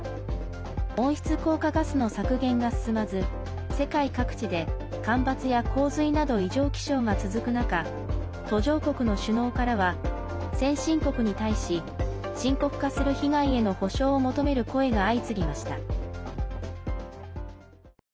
温室効果ガスの削減が進まず世界各地で干ばつや洪水など異常気象が続く中途上国の首脳からは先進国に対し深刻化する被害への補償を求める声が相次ぎました。